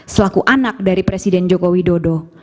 selaku anak dari presiden joko widodo